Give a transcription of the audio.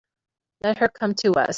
Let her come to us.